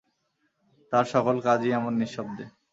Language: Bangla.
তাঁহার সকল কাজই এমনি নিঃশব্দে।